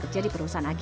seru dari barisan tmi